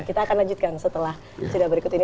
kita akan lanjutkan setelah jeda berikut ini